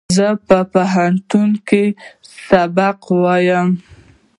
زه په پوهنتون کښې سبق وایم